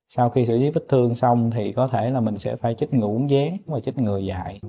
sau khi xử trí vết thương xong thì có thể là mình sẽ phải trích ngủ uống gián và trích người dạy